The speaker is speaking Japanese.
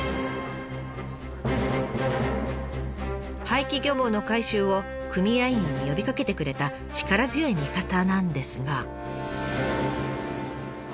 廃棄漁網の回収を組合員に呼びかけてくれた力強い味方なんですが。